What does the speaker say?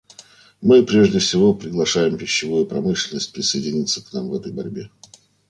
Мы прежде всего приглашаем пищевую промышленность присоединиться к нам в этой борьбе.